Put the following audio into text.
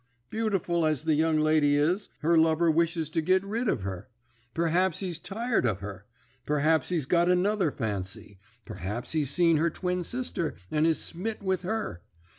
Beautiful as the young lady is, her lover wishes to git rid of her. Perhaps he's tired of her; perhaps he's got another fancy; perhaps he's seen her twin sister, and is smit with her.